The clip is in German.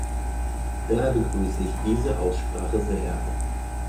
Daher begrüße ich diese Aussprache sehr.